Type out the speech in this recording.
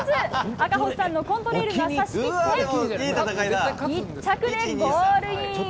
赤星さんの本命コントレイルが差しきって１着ゴールイン！